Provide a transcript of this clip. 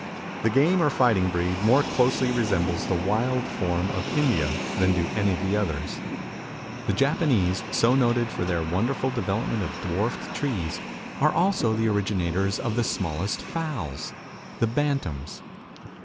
The game or fighting breed more closely resembles the wild form of India than do any of the others. The Japanese, so noted for their wonderful development of dwarfed trees, are also the originators of the smallest fowls the Bantams.